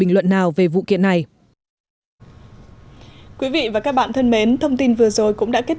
bình luận nào về vụ kiện này quý vị và các bạn thân mến thông tin vừa rồi cũng đã kết